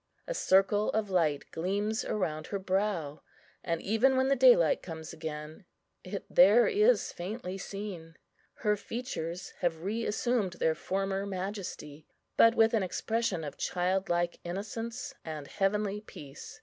A circle of light gleams round her brow, and, even when the daylight comes again, it there is faintly seen. Her features have reassumed their former majesty, but with an expression of childlike innocence and heavenly peace.